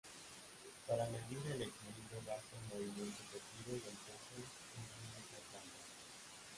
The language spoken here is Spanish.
Para medir el equilibrio bastan movimientos de tiro y empuje en un mismo plano.